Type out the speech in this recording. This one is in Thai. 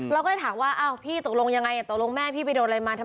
เราก็เลยถามว่าอ้าวพี่ตกลงยังไงตกลงแม่พี่ไปโดนอะไรมา